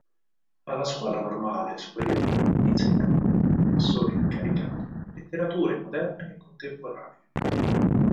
Alla Scuola Normale Superiore insegnò, come professore incaricato, Letterature moderne e contemporanee.